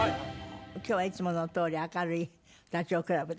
今日はいつものとおり明るいダチョウ倶楽部で。